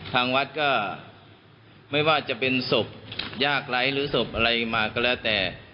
ทางวัดก็ไม่ว่าจะเป็นศพยากไร้หรือศพอะไรมาก็แล้วแต่